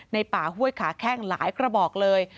ในป่าห้วยขาแข้งหลายกระบอกเลย